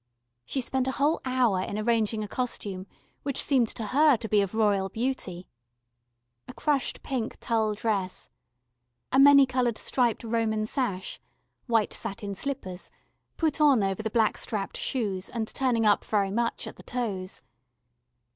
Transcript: She spent a whole hour in arranging a costume which seemed to her to be of royal beauty. A crushed pink tulle dress, a many coloured striped Roman sash, white satin slippers, put on over the black strapped shoes, and turning up very much at the toes.